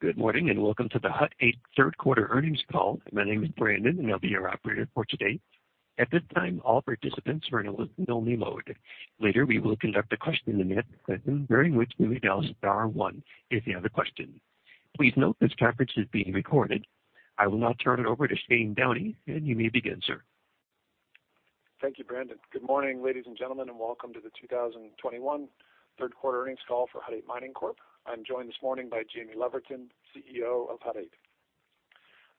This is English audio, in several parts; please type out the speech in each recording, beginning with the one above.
Good morning, and welcome to the Hut 8 third quarter earnings call. My name is Brandon, and I'll be your operator for today. At this time, all participants are in a listen only mode. Later, we will conduct a question-and-answer session during which you may dial star one if you have a question. Please note this conference is being recorded. I will now turn it over to Shane Downey, and you may begin, sir. Thank you, Brandon. Good morning, ladies and gentlemen, and welcome to the 2021 Third Quarter Earnings Call for Hut 8 Mining Corp. I'm joined this morning by Jaime Leverton, CEO of Hut 8.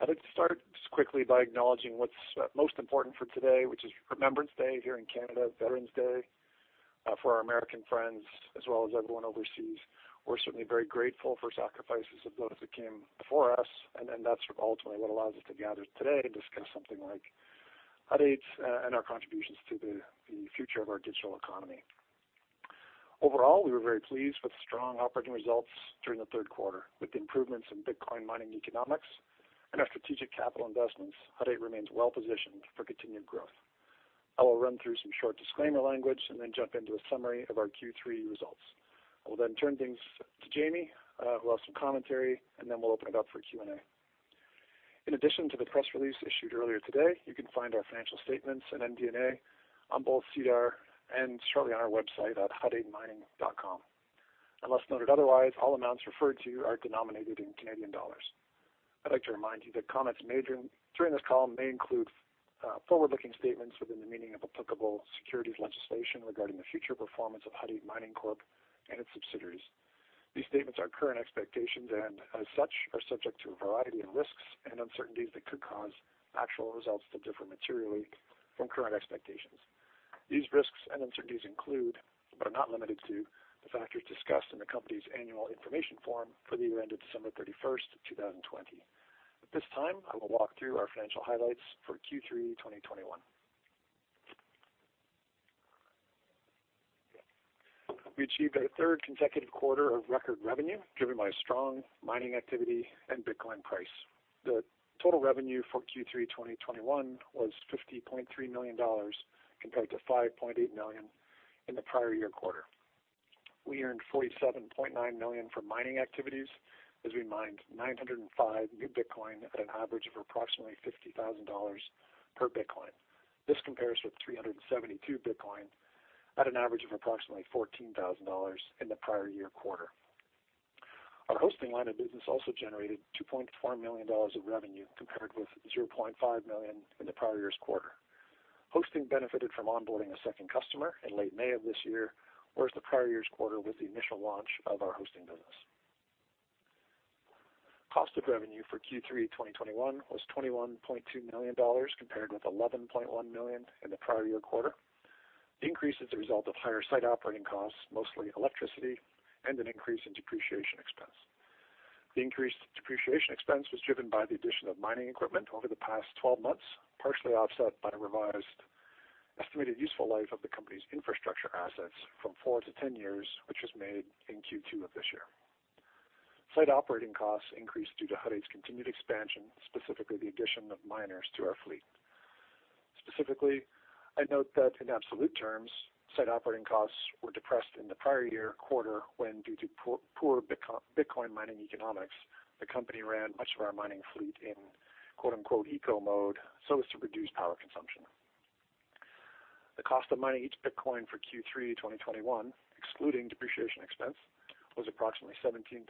I'd like to start just quickly by acknowledging what's most important for today, which is Remembrance Day here in Canada, Veterans Day for our American friends as well as everyone overseas. We're certainly very grateful for sacrifices of those that came before us, and then that's ultimately what allows us to gather today and discuss something like Hut 8's and our contributions to the future of our digital economy. Overall, we were very pleased with strong operating results during the third quarter. With the improvements in Bitcoin mining economics and our strategic capital investments, Hut 8 remains well-positioned for continued growth. I will run through some short disclaimer language and then jump into a summary of our Q3 results. I will then turn things to Jaimie, who will have some commentary, and then we'll open it up for Q&A. In addition to the press release issued earlier today, you can find our financial statements and MD&A on both SEDAR and shortly on our website at hut8mining.com. Unless noted otherwise, all amounts referred to are denominated in Canadian dollars. I'd like to remind you that comments made during this call may include forward-looking statements within the meaning of applicable securities legislation regarding the future performance of Hut 8 Mining Corp and its subsidiaries. These statements are current expectations and, as such, are subject to a variety of risks and uncertainties that could cause actual results to differ materially from current expectations. These risks and uncertainties include, but are not limited to, the factors discussed in the company's annual information form for the year ended December 31, 2020. At this time, I will walk through our financial highlights for Q3 2021. We achieved our third consecutive quarter of record revenue driven by strong mining activity and Bitcoin price. The total revenue for Q3 2021 was 50.3 million dollars compared to 5.8 million in the prior year quarter. We earned 47.9 million from mining activities as we mined 905 new Bitcoin at an average of approximately 50,000 dollars per Bitcoin. This compares with 372 Bitcoin at an average of approximately 14,000 dollars in the prior year quarter. Our hosting line of business also generated 2.4 million dollars of revenue compared with 0.5 million in the prior year's quarter. Hosting benefited from onboarding a second customer in late May of this year, whereas the prior year's quarter was the initial launch of our hosting business. Cost of revenue for Q3 2021 was 21.2 million dollars compared with 11.1 million in the prior year quarter. The increase is a result of higher site operating costs, mostly electricity and an increase in depreciation expense. The increased depreciation expense was driven by the addition of mining equipment over the past 12 months, partially offset by revised estimated useful life of the company's infrastructure assets from four to 10 years, which was made in Q2 of this year. Site operating costs increased due to Hut 8's continued expansion, specifically the addition of miners to our fleet. Specifically, I note that in absolute terms, site operating costs were depressed in the prior year quarter when, due to poor Bitcoin mining economics, the company ran much of our mining fleet in quote unquote eco mode so as to reduce power consumption. The cost of mining each Bitcoin for Q3 2021, excluding depreciation expense, was approximately 17,700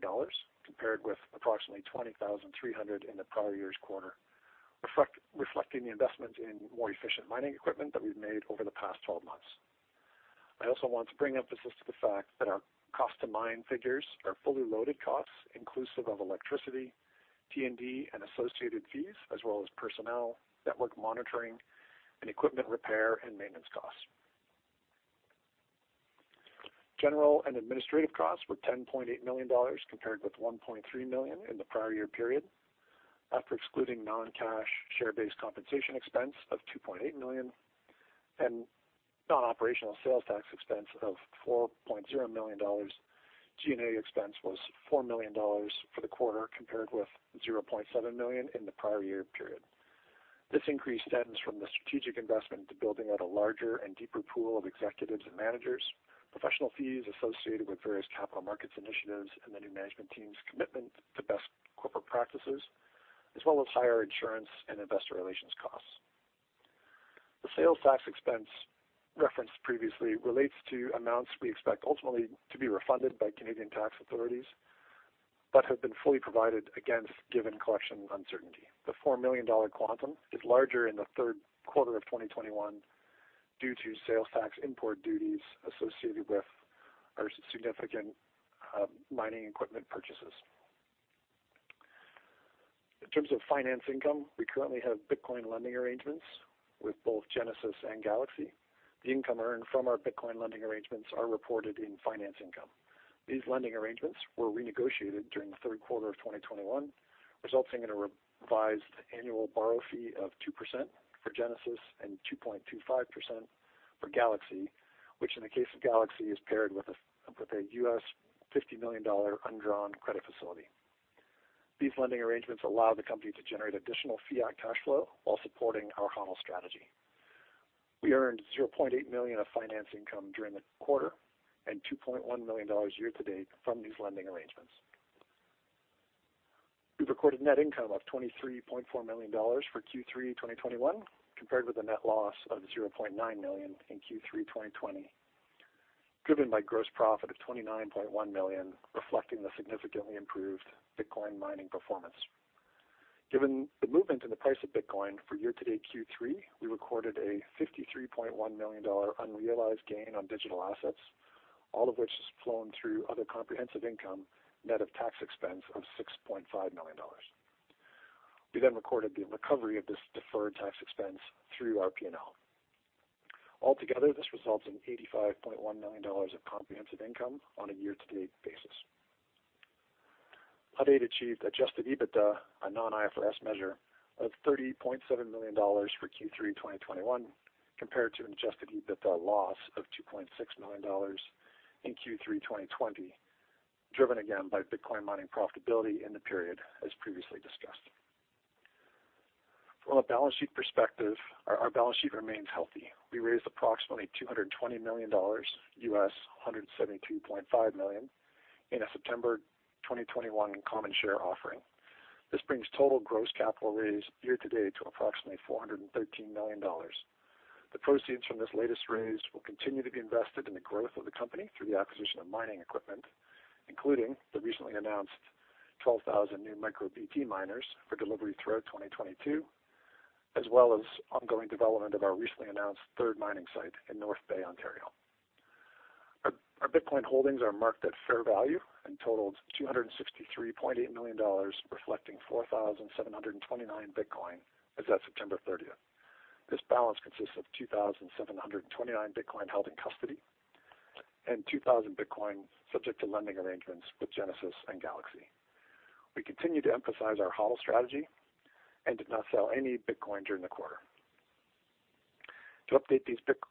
dollars compared with approximately 20,300 in the prior year's quarter, reflecting the investment in more efficient mining equipment that we've made over the past 12 months. I also want to bring emphasis to the fact that our cost to mine figures are fully loaded costs inclusive of electricity, T&D and associated fees, as well as personnel, network monitoring and equipment repair and maintenance costs. General and administrative costs were 10.8 million dollars compared with 1.3 million in the prior year period. After excluding non-cash share-based compensation expense of 2.8 million and non-operational sales tax expense of 4.0 million dollars, G&A expense was 4 million dollars for the quarter compared with 0.7 million in the prior year period. This increase stems from the strategic investment to building out a larger and deeper pool of executives and managers, professional fees associated with various capital markets initiatives, and the new management team's commitment to best corporate practices as well as higher insurance and investor relations costs. The sales tax expense referenced previously relates to amounts we expect ultimately to be refunded by Canadian tax authorities, but have been fully provided against given collection uncertainty. The 4 million dollar quantum is larger in the third quarter of 2021 due to sales tax import duties associated with our significant mining equipment purchases. In terms of finance income, we currently have Bitcoin lending arrangements with both Genesis and Galaxy. The income earned from our Bitcoin lending arrangements are reported in finance income. These lending arrangements were renegotiated during the third quarter of 2021, resulting in a revised annual borrow fee of 2% for Genesis and 2.25% for Galaxy, which in the case of Galaxy is paired with a $50 million undrawn credit facility. These lending arrangements allow the company to generate additional fiat cash flow while supporting our HODL strategy. We earned 0.8 million of finance income during the quarter and 2.1 million dollars year to date from these lending arrangements. We've recorded net income of 23.4 million dollars for Q3 2021, compared with a net loss of 0.9 million in Q3 2020, driven by gross profit of 29.1 million, reflecting the significantly improved Bitcoin mining performance. Given the movement in the price of Bitcoin for year-to-date Q3, we recorded a $53.1 million unrealized gain on digital assets, all of which has flown through other comprehensive income, net of tax expense of 6.5 million dollars. We then recorded the recovery of this deferred tax expense through our P&L. Altogether, this results in 85.1 million dollars of comprehensive income on a year-to-date basis. Hut 8 achieved adjusted EBITDA, a non-IFRS measure of 30.7 million dollars for Q3 2021 compared to an adjusted EBITDA loss of 2.6 million dollars in Q3 2020, driven again by Bitcoin mining profitability in the period as previously discussed. From a balance sheet perspective, our balance sheet remains healthy. We raised approximately 220 million dollars, $172.5 million in a September 2021 common share offering. This brings total gross capital raised year to date to approximately 413 million dollars. The proceeds from this latest raise will continue to be invested in the growth of the company through the acquisition of mining equipment, including the recently announced 12,000 new MicroBT miners for delivery throughout 2022, as well as ongoing development of our recently announced third mining site in North Bay, Ontario. Our Bitcoin holdings are marked at fair value and totaled 263.8 million dollars, reflecting 4,729 Bitcoin as at September 30. This balance consists of 2,729 Bitcoin held in custody and 2,000 Bitcoin subject to lending arrangements with Genesis and Galaxy. We continue to emphasize our HODL strategy and did not sell any Bitcoin during the quarter. To update these Bitcoin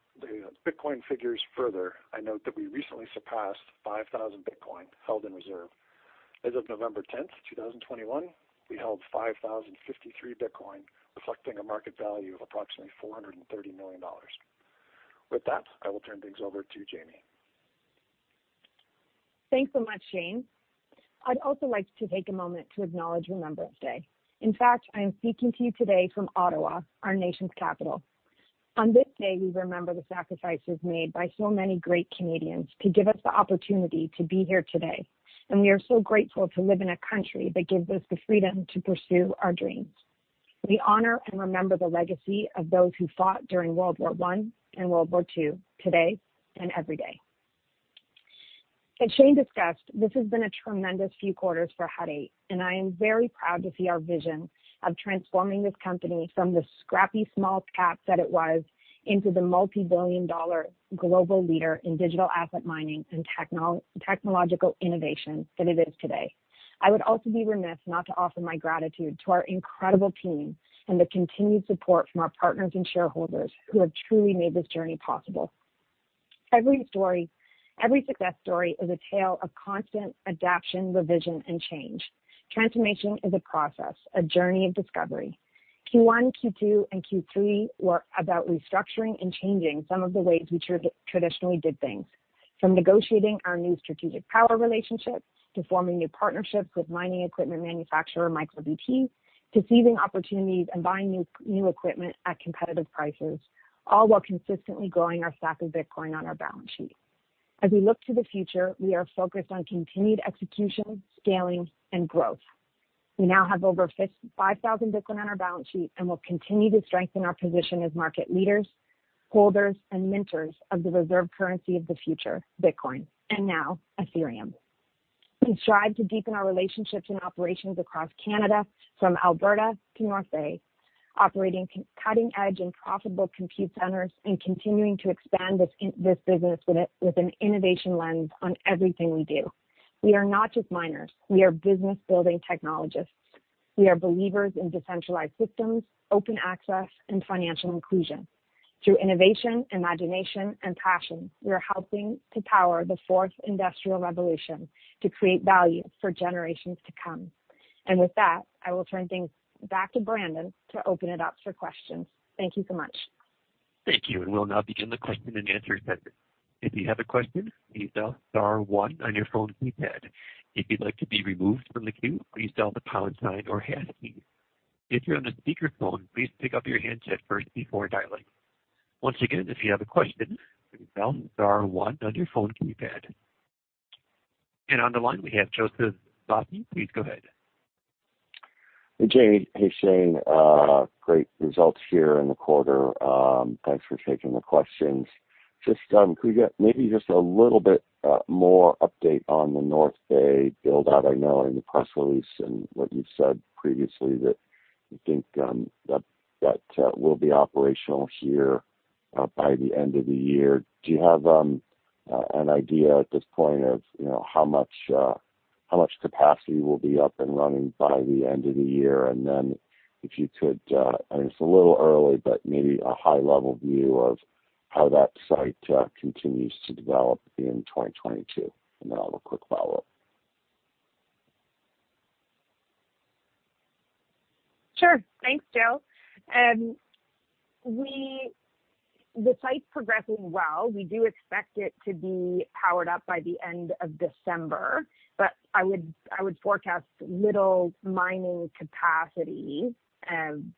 figures further, I note that we recently surpassed 5,000 Bitcoin held in reserve. As of November tenth, 2021, we held 5,053 Bitcoin, reflecting a market value of approximately $430 million. With that, I will turn things over to Jaime. Thanks so much, Shane. I'd also like to take a moment to acknowledge Remembrance Day. In fact, I am speaking to you today from Ottawa, our nation's capital. On this day, we remember the sacrifices made by so many great Canadians to give us the opportunity to be here today, and we are so grateful to live in a country that gives us the freedom to pursue our dreams. We honor and remember the legacy of those who fought during World War I and World War II today and every day. As Shane discussed, this has been a tremendous few quarters for Hut 8, and I am very proud to see our vision of transforming this company from the scrappy small cap that it was into the multi-billion dollar global leader in digital asset mining and technological innovation that it is today. I would also be remiss not to offer my gratitude to our incredible team and the continued support from our partners and shareholders who have truly made this journey possible. Every success story is a tale of constant adaptation, revision, and change. Transformation is a process, a journey of discovery. Q1, Q2, and Q3 were about restructuring and changing some of the ways we traditionally did things, from negotiating our new strategic power relationships to forming new partnerships with mining equipment manufacturer, MicroBT, to seizing opportunities and buying new equipment at competitive prices, all while consistently growing our stack of Bitcoin on our balance sheet. As we look to the future, we are focused on continued execution, scaling, and growth. We now have over 5,000 Bitcoin on our balance sheet, and we'll continue to strengthen our position as market leaders, holders, and mentors of the reserve currency of the future, Bitcoin, and now Ethereum. We strive to deepen our relationships and operations across Canada from Alberta to North Bay, operating cutting edge and profitable compute centers and continuing to expand this business with an innovation lens on everything we do. We are not just miners, we are business-building technologists. We are believers in decentralized systems, open access, and financial inclusion. Through innovation, imagination, and passion, we are helping to power the fourth industrial revolution to create value for generations to come. With that, I will turn things back to Brandon to open it up for questions. Thank you so much. Thank you. We'll now begin the question and answer session. If you have a question, please dial star one on your phone keypad. If you'd like to be removed from the queue, please dial the pound sign or hash key. If you're on a speakerphone, please pick up your handset first before dialing. Once again, if you have a question, please dial star one on your phone keypad. On the line, we have Joseph Vafi. Please go ahead. Hey, Jaime. Hey, Shane. Great results here in the quarter. Thanks for taking the questions. Just, could we get maybe just a little bit more update on the North Bay build-out? I know in the press release and what you've said previously that you think that will be operational here by the end of the year. Do you have an idea at this point of you know how much capacity will be up and running by the end of the year? And then if you could, I know it's a little early, but maybe a high-level view of how that site continues to develop in 2022. And then I have a quick follow-up. Sure. Thanks, Joe. The site's progressing well. We do expect it to be powered up by the end of December, but I would forecast little mining capacity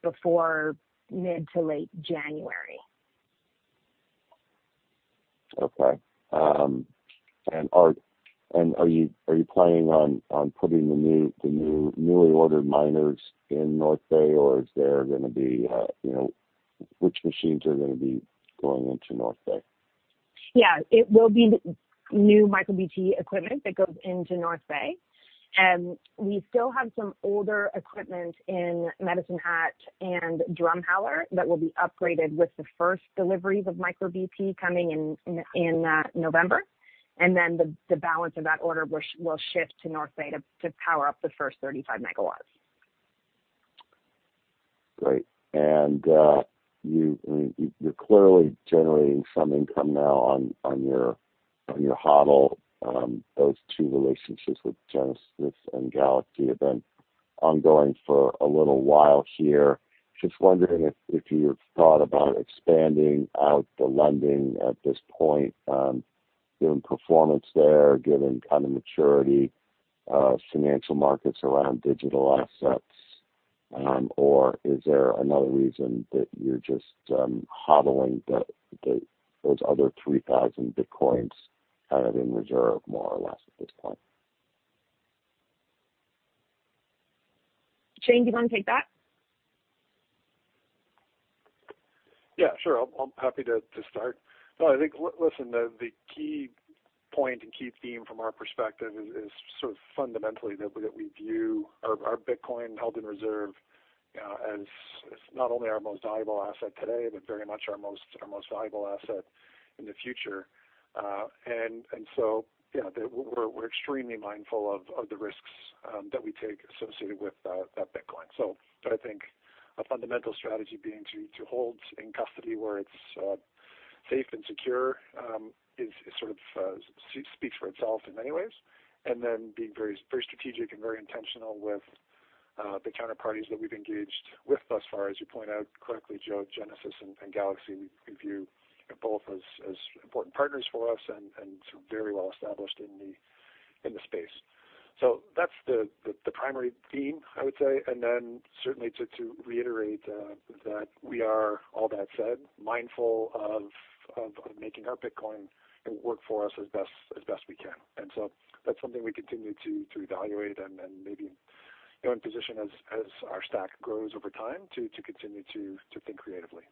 before mid to late January. Okay. Are you planning on putting the newly ordered miners in North Bay, or is there gonna be, you know. Which machines are gonna be going into North Bay? Yeah. It will be the new MicroBT equipment that goes into North Bay. We still have some older equipment in Medicine Hat and Drumheller that will be upgraded with the first deliveries of MicroBT coming in November. Then the balance of that order will ship to North Bay to power up the first 35 MW. Great. I mean, you're clearly generating some income now on your HODL. Those two relationships with Genesis and Galaxy have been ongoing for a little while here. Just wondering if you've thought about expanding out the lending at this point, given performance there, given kind of maturity, financial markets around digital assets or is there another reason that you're just HODLing those other 3,000 Bitcoins kind of in reserve more or less at this point? Shane, do you wanna take that? Yeah, sure. I'm happy to start. No, I think listen, the key point and key theme from our perspective is sort of fundamentally that we view our Bitcoin held in reserve as not only our most valuable asset today, but very much our most valuable asset in the future. You know, we're extremely mindful of the risks that we take associated with Bitcoin. I think a fundamental strategy being to hold in custody where it's safe and secure is sort of speaks for itself in many ways, and then being very, very strategic and very intentional with the counterparties that we've engaged with thus far. As you point out correctly, Joe, Genesis and Galaxy, we view both as important partners for us and sort of very well established in the space. That's the primary theme, I would say. Certainly to reiterate, that we are, all that said, mindful of making our Bitcoin work for us as best we can. That's something we continue to evaluate and maybe, you know, in position as our stack grows over time to continue to think creatively.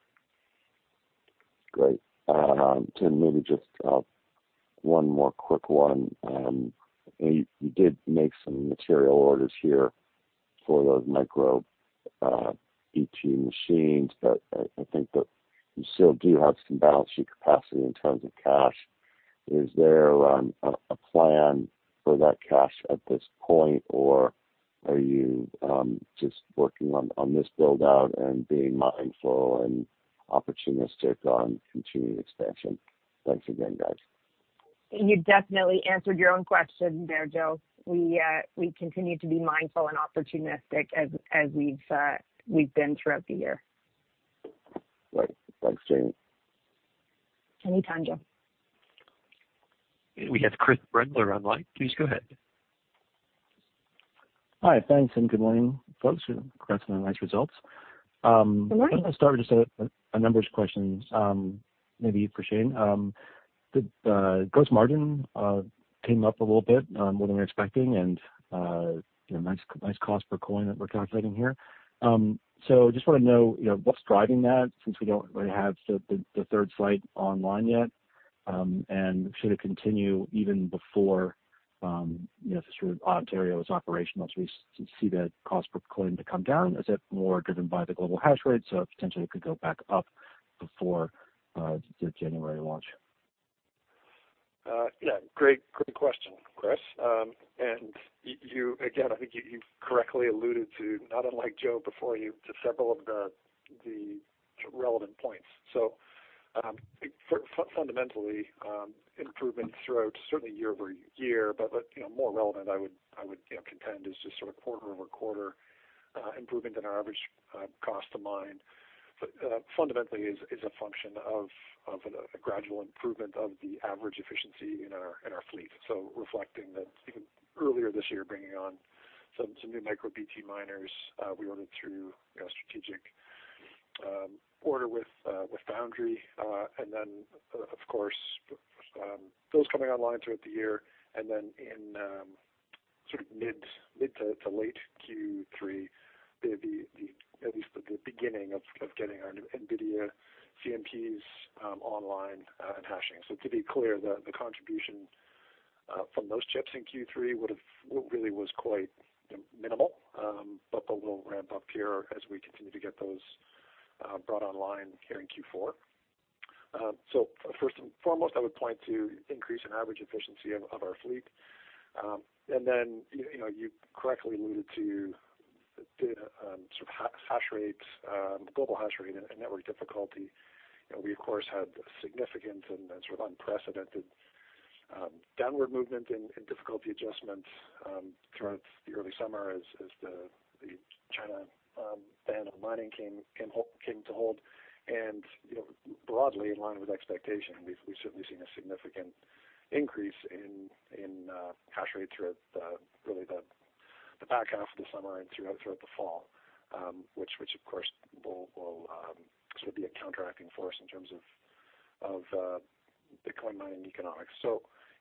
Great. Tim, maybe just one more quick one. You did make some material orders here for those MicroBT machines, but I think that you still do have some balance sheet capacity in terms of cash. Is there a plan for that cash at this point, or are you just working on this build-out and being mindful and opportunistic on continued expansion? Thanks again, guys. You definitely answered your own question there, Joe. We continue to be mindful and opportunistic as we've been throughout the year. Great. Thanks, Jaime. Anytime, Joe. We have Chris Brendler on line. Please go ahead. Hi, thanks, and good morning, folks. Congrats on the nice results. Good morning. I'm gonna start with just a numbers question, maybe for Shane. The gross margin came up a little bit more than we were expecting and you know nice cost per coin that we're calculating here. So just wanna know you know what's driving that since we don't really have the third site online yet. And should it continue even before you know sort of Ontario is operational to see that cost per coin to come down? Is it more driven by the global hash rate, so potentially it could go back up before the January launch? Great question, Chris. Again, I think you correctly alluded to, not unlike Joe before you, to several of the relevant points. Fundamentally, improvement throughout certainly year-over-year, but you know, more relevant I would contend is just sort of quarter-over-quarter improvement in our average cost to mine, fundamentally is a function of a gradual improvement of the average efficiency in our fleet. Reflecting that even earlier this year, bringing on some new MicroBT miners we ordered through a strategic order with Foundry, and then of course, those coming online throughout the year. In mid to late Q3, at least the beginning of getting our new NVIDIA CMPs online and hashing. To be clear, the contribution from those chips in Q3 really was quite minimal, you know. But we'll ramp up here as we continue to get those brought online here in Q4. First and foremost, I would point to increase in average efficiency of our fleet. Then you know you correctly alluded to the sort of hash rates, global hash rate and network difficulty. You know, we of course had significant and sort of unprecedented downward movement in difficulty adjustments throughout the early summer as the China ban on mining came to hold and, you know, broadly in line with expectation, we've certainly seen a significant increase in hash rate throughout really the back half of the summer and throughout the fall. Which of course will sort of be a counteracting force in terms of Bitcoin mining economics.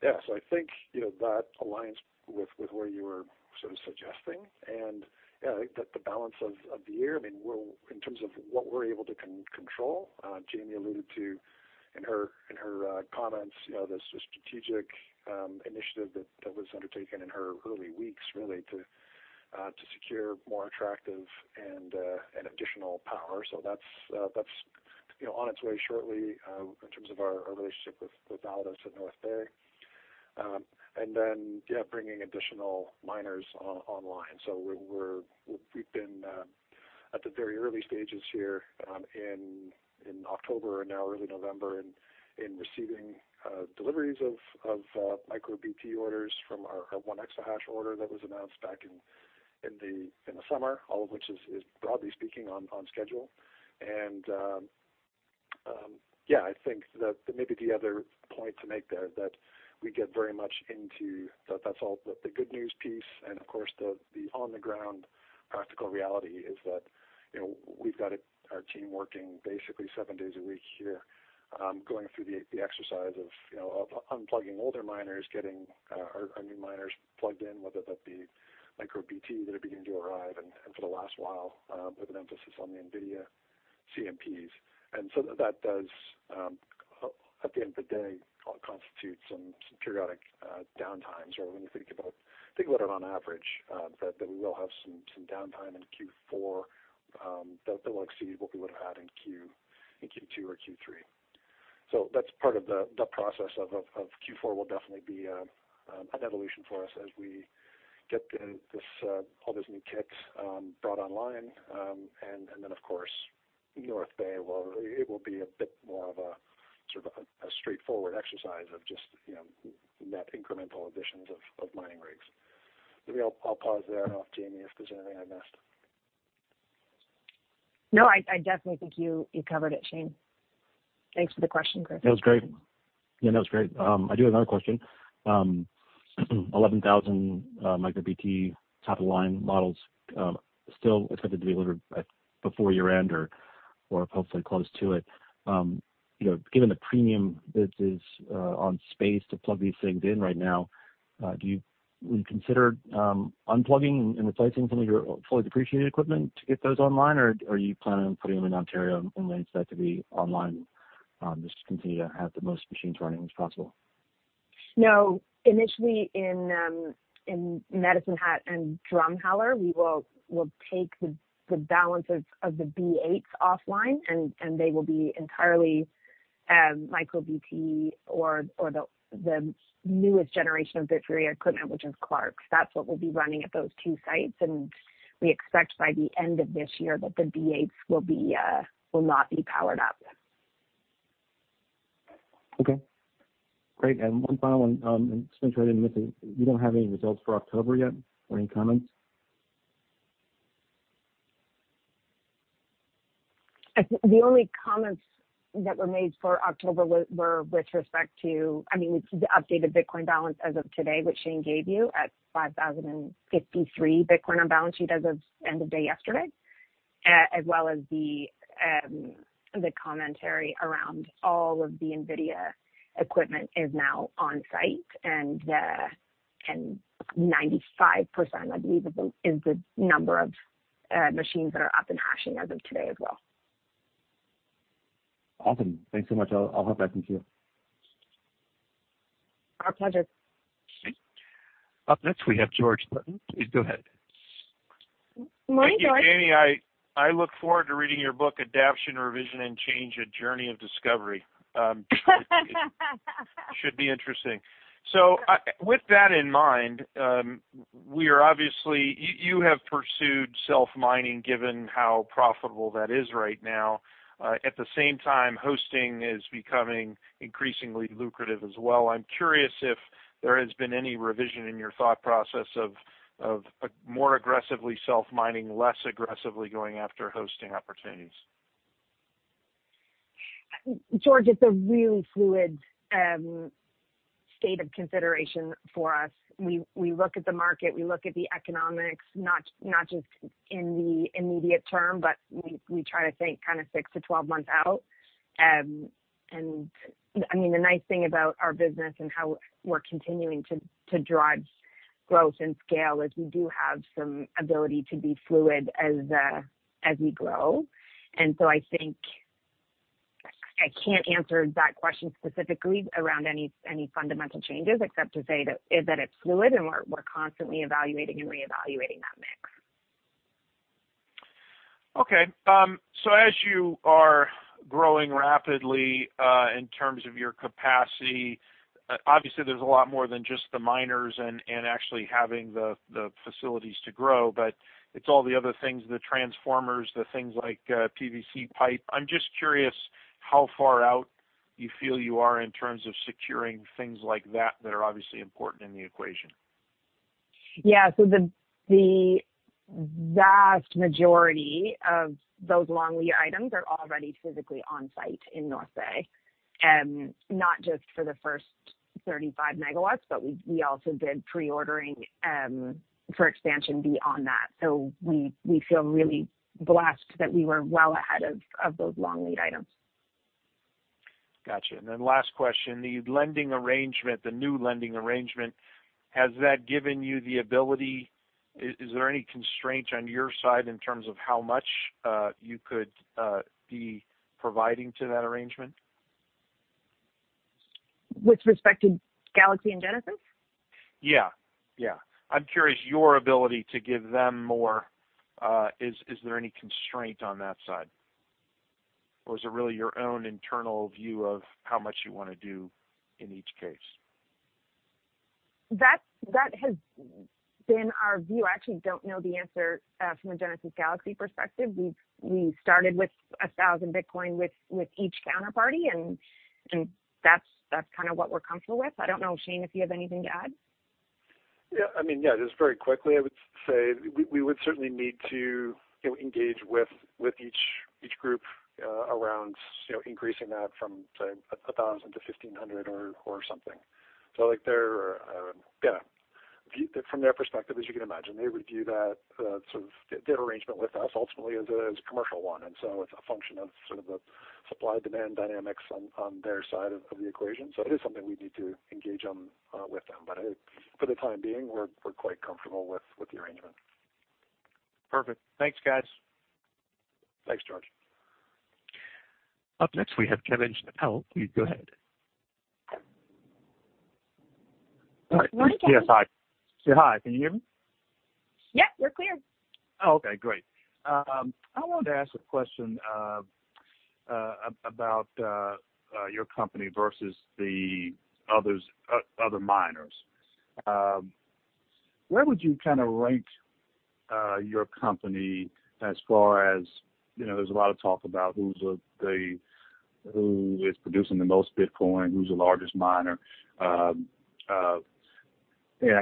Yeah. I think, you know, that aligns with where you were sort of suggesting and, yeah, I think that the balance of the year, I mean, we'll in terms of what we're able to control, Jaime alluded to in her comments, you know, the strategic initiative that was undertaken in her early weeks really to secure more attractive and additional power. That's on its way shortly in terms of our relationship with Validus at North Bay. And then bringing additional miners online. We're at the very early stages here in October and now early November in receiving deliveries of MicroBT orders from our one exahash order that was announced back in the summer, all of which is broadly speaking on schedule. Yeah, I think that maybe the other point to make there, that that's all the good news piece. Of course, the on the ground practical reality is that, you know, we've got our team working basically seven days a week here, going through the exercise of, you know, of unplugging older miners, getting our new miners plugged in, whether that be MicroBT that are beginning to arrive and for the last while, with an emphasis on the NVIDIA CMPs. So that does, at the end of the day constitute some periodic downtimes or when you think about it on average, that we will have some downtime in Q4, that will exceed what we would've had in Q2 or Q3. That's part of the process of Q4 will definitely be an evolution for us as we get all these new rigs brought online. Then of course, North Bay will be a bit more of a sort of a straightforward exercise of just you know net incremental additions of mining rigs. Maybe I'll pause there and ask Jaime if there's anything I missed. No, I definitely think you covered it, Shane. Thanks for the question, Chris. That was great. Yeah, that was great. I do have another question. 11,000 MicroBT top-of-the-line models still expected to be delivered before year end or hopefully close to it. You know, given the premium that is on space to plug these things in right now, would you consider unplugging and replacing some of your fully depreciated equipment to get those online, or are you planning on putting them in Ontario and waiting for that to be online, just to continue to have the most machines running as possible? No, initially in Medicine Hat and Drumheller, we'll take the balance of the B8s offline and they will be entirely MicroBT or the newest generation of Bitfury equipment, which is Clarke. That's what we'll be running at those two sites, and we expect by the end of this year that the B8s will not be powered up. Okay, great. One final one, and just making sure I didn't miss it, you don't have any results for October yet or any comments? The only comments that were made for October were with respect to, I mean, it's the updated Bitcoin balance as of today, which Shane gave you at 5,053 Bitcoin on balance sheet as of end of day yesterday, as well as the commentary around all of the NVIDIA equipment is now on site and 95%, I believe is the number of machines that are up and hashing as of today as well. Awesome. Thanks so much. I'll hop back into queue. Our pleasure. Okay. Up next, we have George Sutton. Please go ahead. Morning, George. Thank you, Jaime. I look forward to reading your book, Adaption, Revision and Change: A Journey of Discovery. Should be interesting. With that in mind, you have pursued self-mining given how profitable that is right now. At the same time, hosting is becoming increasingly lucrative as well. I'm curious if there has been any revision in your thought process of more aggressively self-mining, less aggressively going after hosting opportunities. George, it's a really fluid state of consideration for us. We look at the market, we look at the economics, not just in the immediate term, but we try to think kind of six-12 months out. I mean, the nice thing about our business and how we're continuing to drive growth and scale is we do have some ability to be fluid as we grow. I think I can't answer that question specifically around any fundamental changes except to say that it's fluid and we're constantly evaluating and reevaluating that mix. Okay. As you are growing rapidly in terms of your capacity, obviously there's a lot more than just the miners and actually having the facilities to grow, but it's all the other things, the transformers, the things like PVC pipe. I'm just curious how far out you feel you are in terms of securing things like that that are obviously important in the equation. Yeah. The vast majority of those long lead items are already physically on site in North Bay, not just for the first 35 MW, but we also did pre-ordering for expansion beyond that. We feel really blessed that we were well ahead of those long lead items. Got you. Last question. The lending arrangement, the new lending arrangement, has that given you the ability? Is there any constraint on your side in terms of how much you could be providing to that arrangement? With respect to Galaxy and Genesis? Yeah. I'm curious about your ability to give them more. Is there any constraint on that side? Or is it really your own internal view of how much you wanna do in each case? That has been our view. I actually don't know the answer from a Genesis Galaxy perspective. We started with 1,000 Bitcoin with each counterparty, and that's kind of what we're comfortable with. I don't know, Shane, if you have anything to add. I mean, just very quickly, I would say we would certainly need to, you know, engage with each group around, you know, increasing that from, say, 1,000 to 1,500 or something. From their perspective, as you can imagine, they would view that sort of their arrangement with us ultimately as a commercial one. It's a function of sort of the supply-demand dynamics on their side of the equation. It is something we need to engage on with them. I think for the time being, we're quite comfortable with the arrangement. Perfect. Thanks, guys. Thanks, George. Up next, we have Kevin Schnepel. Please go ahead. Good morning, Kevin. Yes. Hi. Say hi. Can you hear me? Yeah, you're clear. Okay. Great. I wanted to ask a question about your company versus the others, other miners. Where would you kind of rank your company as far as... you know, there's a lot of talk about who is producing the most Bitcoin, who's the largest miner. I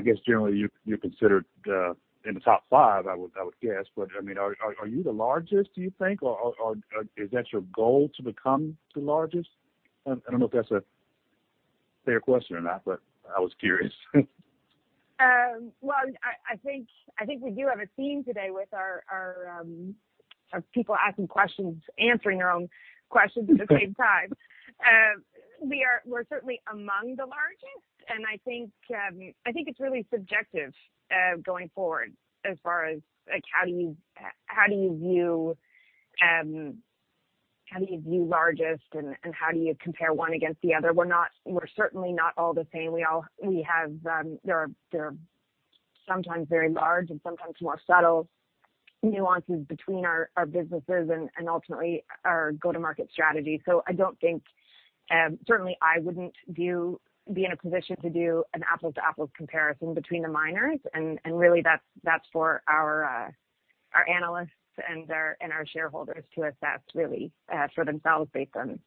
guess generally you're considered in the top five, I would guess. I mean, are you the largest, do you think? Or is that your goal to become the largest? I don't know if that's a fair question or not, but I was curious. Well, I think we do have a theme today with our people asking questions, answering their own questions at the same time. We're certainly among the largest, and I think it's really subjective going forward as far as, like, how do you view largest and how do you compare one against the other? We're certainly not all the same. We have. There are sometimes very large and sometimes more subtle nuances between our businesses and ultimately our go-to-market strategy. I don't think. Certainly I wouldn't be in a position to do an apples-to-apples comparison between the miners, and really that's for our analysts and our shareholders to assess really for themselves based on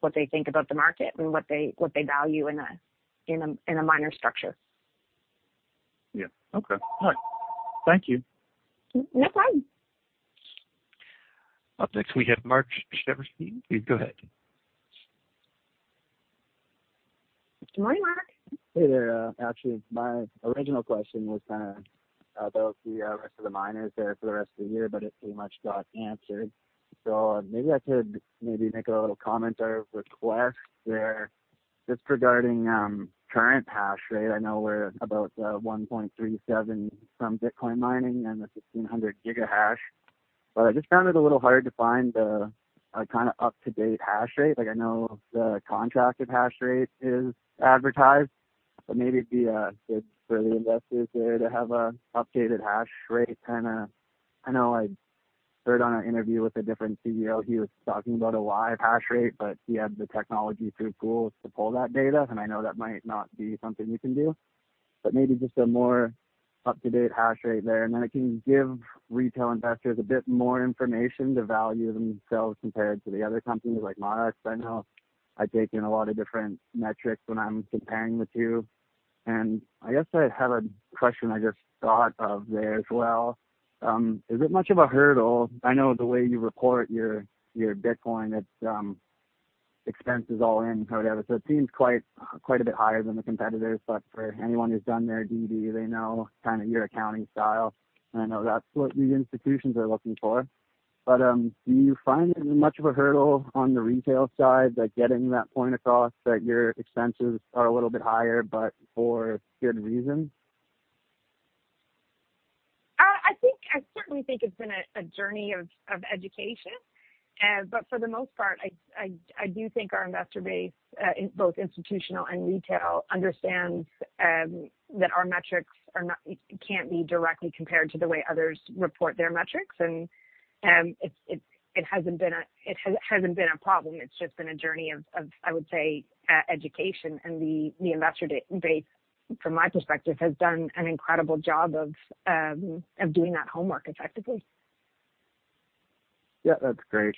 what they think about the market and what they value in a miner structure. Yeah. Okay. All right. Thank you. No problem. Up next, we have Mark Schervish. Please go ahead. Good morning, Mark. Hey there. Actually my original question was kind of about the rest of the miners there for the rest of the year, but it pretty much got answered. Maybe I could make a little comment or request there just regarding current hash rate. I know we're about 1.37 from Bitcoin mining and the 1,500 gigahash, but I just found it a little hard to find the kind of, up-to-date hash rate. Like I know the contracted hash rate is advertised, but maybe it'd be good for the investors there to have a updated hash rate kind of, I know I heard on an interview with a different CEO, he was talking about a live hash rate, but he had the technology through Google to pull that data, and I know that might not be something you can do. Maybe just a more up-to-date hash rate there, and then it can give retail investors a bit more information to value themselves compared to the other companies like Marathon. I know I take in a lot of different metrics when I'm comparing the two. I guess I have a question I just thought of there as well. Is it much of a hurdle? I know the way you report your Bitcoin, it's expenses all in, however, so it seems quite a bit higher than the competitors. For anyone who's done their DD, they know kind of your accounting style, and I know that's what the institutions are looking for. Do you find it much of a hurdle on the retail side, like getting that point across that your expenses are a little bit higher, but for good reason? I certainly think it's been a journey of education. For the most part, I do think our investor base, both institutional and retail, understands that our metrics can't be directly compared to the way others report their metrics. It hasn't been a problem. It's just been a journey of education. The investor base, from my perspective, has done an incredible job of doing that homework effectively. Yeah, that's great.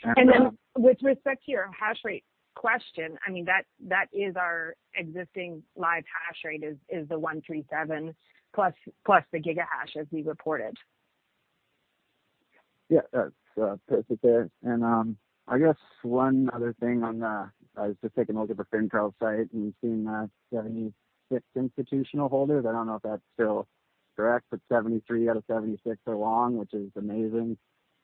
With respect to your hash rate question, I mean, that is our existing live hash rate is the 137+ the gigahash as we reported. Yeah, that's perfect there. I guess one other thing. I was just taking a look at the Fintel site and seeing the 76 institutional holders. I don't know if that's still correct, but 73 out of 76 are long, which is amazing.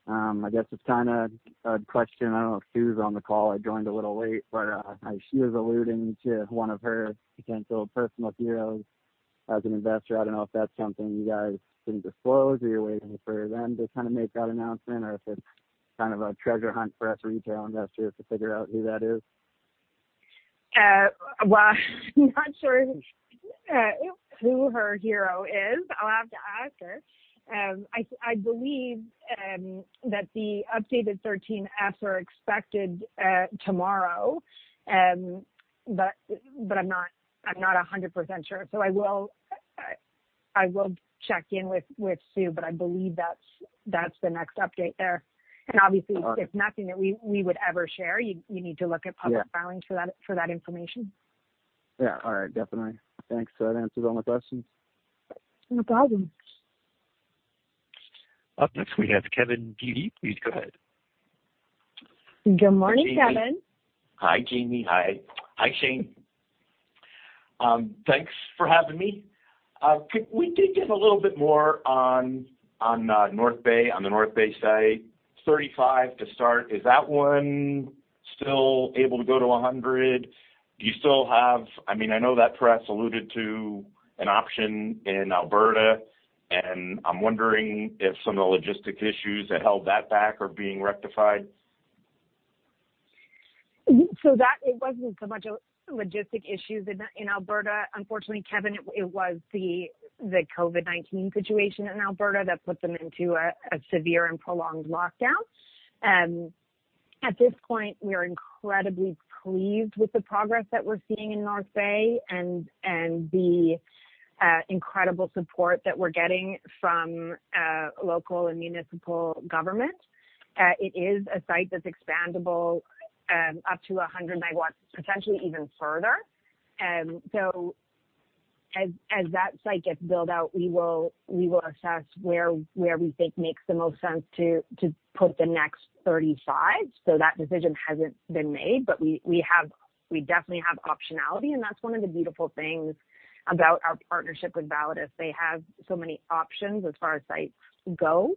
I guess it's kind of a question. I don't know if Sue's on the call. I joined a little late, but she was alluding to one of her potential personal heroes as an investor. I don't know if that's something you guys can disclose, or you're waiting for them to kind of make that announcement, or if it's kind of a treasure hunt for us retail investors to figure out who that is. I'm not sure who her hero is. I'll have to ask her. I believe that the updated 13Fs are expected tomorrow. I'm not 100% sure. I will check in with Sue, but I believe that's the next update there. Obviously, it's nothing that we would ever share. You need to look at public filings for that information. Yeah. All right. Definitely. Thanks. So that answers all my questions. No problem. Up next, we have Kevin Dede. Please go ahead. Good morning, Kevin. Hi, Jaime. Hi. Hi, Shane. Thanks for having me. Could we dig in a little bit more on North Bay, on the North Bay site, 35 to start, is that one still able to go to 100? Do you still have? I mean, I know that press alluded to an option in Alberta, and I'm wondering if some of the logistical issues that held that back are being rectified. That it wasn't so much a logistical issue in Alberta. Unfortunately, Kevin, it was the COVID-19 situation in Alberta that put them into a severe and prolonged lockdown. At this point, we are incredibly pleased with the progress that we're seeing in North Bay and the incredible support that we're getting from local and municipal government. It is a site that's expandable up to 100 MW, potentially even further. As that site gets built out, we will assess where we think makes the most sense to put the next 35. That decision hasn't been made. We definitely have optionality, and that's one of the beautiful things about our partnership with Validus. They have so many options as far as sites go,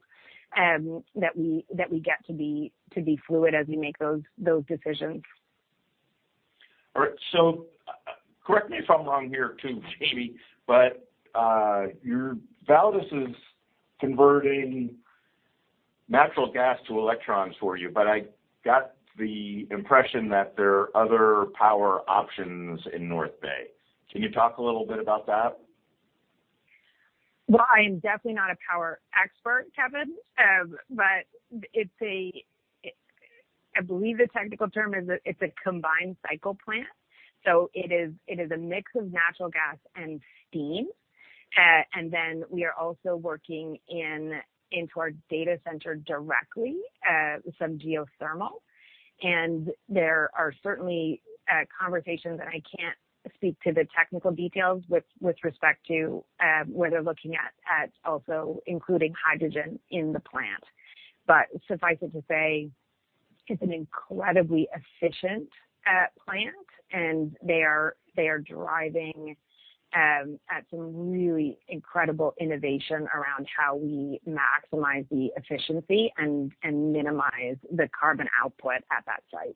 that we get to be fluid as we make those decisions. All right. Correct me if I'm wrong here too, Jaime, but your Validus is converting natural gas to electrons for you, but I got the impression that there are other power options in North Bay. Can you talk a little bit about that? Well, I am definitely not a power expert, Kevin, but I believe the technical term is it's a combined cycle plant. It is a mix of natural gas and steam. We are also working into our data center directly with some geothermal. There are certainly conversations, and I can't speak to the technical details with respect to where they're looking at also including hydrogen in the plant. Suffice it to say, it's an incredibly efficient plant, and they are driving at some really incredible innovation around how we maximize the efficiency and minimize the carbon output at that site.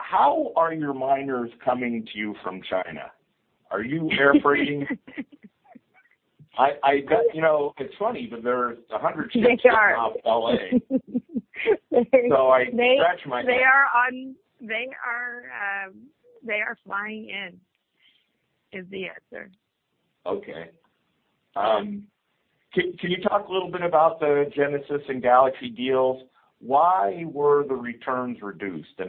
How are your miners coming to you from China? Are you air freighting? I, you know, it's funny, but there are 100 ships off L.A. They are. I scratch my head. They are flying in, is the answer. Okay. Can you talk a little bit about the Genesis and Galaxy deals? Why were the returns reduced?